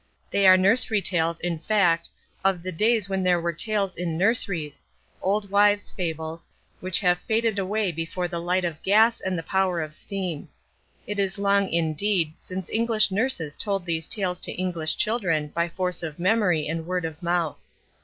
They are Nursery Tales, in fact, of the days when there were tales in nurseries—old wives' fables, which have faded away before the light of gas and the power of steam. It is long, indeed, since English nurses told these tales to English children by force of memory and word of mouth.